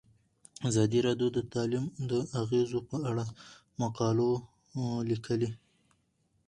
ازادي راډیو د تعلیم د اغیزو په اړه مقالو لیکلي.